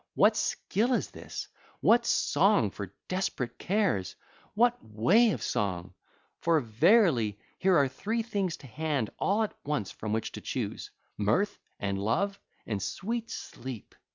What skill is this? What song for desperate cares? What way of song? For verily here are three things to hand all at once from which to choose,—mirth, and love, and sweet sleep.